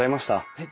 えっ？